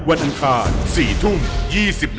เอ้ย